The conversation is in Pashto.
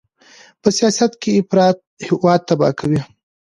په سیاست کې افراط هېواد تباه کوي.